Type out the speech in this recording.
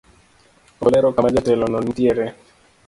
Ok olero kama jatelono nitiere.